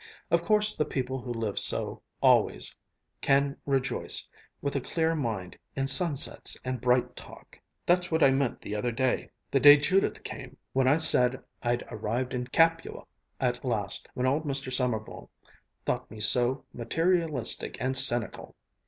Of course the people who live so always, can rejoice with a clear mind in sunsets and bright talk. That's what I meant the other day the day Judith came when I said I'd arrived in Capua at last; when old Mr. Sommerville thought me so materialistic and cynical.